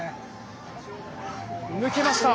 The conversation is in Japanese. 抜けました。